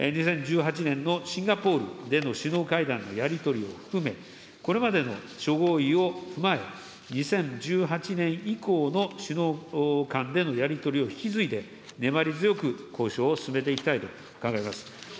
２０１８年のシンガポールでの首脳会談のやり取りを含め、これまでの諸合意を踏まえ、２０１８年以降の首脳間でのやり取りを引き継いで、粘り強く交渉を進めていきたいと考えます。